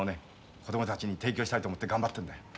子どもたちに提供したいと思って頑張ってるんだ。